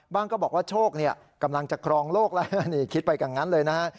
บางก็บอกว่าโชคกำลังจะครองโลกแล้วคิดไปกับงั้นเลยนะ